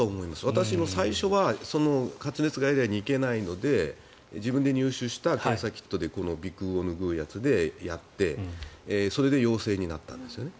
私も最初は発熱外来に行けないので自分で入手した検査キットで鼻腔を拭うやつでやってそれで陽性になったんですよね。